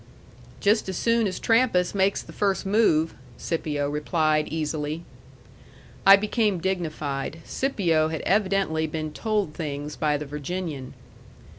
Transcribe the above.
"Just as soon as Trampas makes the first move," Scipio replied easily. I became dignified. Scipio had evidently been told things by the Virginian.